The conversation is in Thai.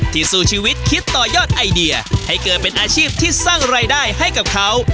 สู้ชีวิตคิดต่อยอดไอเดียให้เกิดเป็นอาชีพที่สร้างรายได้ให้กับเขา